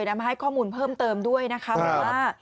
มาให้ข้อมูลเพิ่มเติมด้วยนะคะบอกว่า